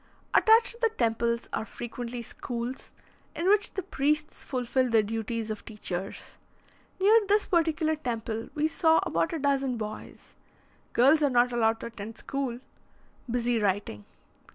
Attached to the temples are frequently schools, in which the priests fulfil the duties of teachers. Near this particular temple, we saw about a dozen boys girls are not allowed to attend school busy writing.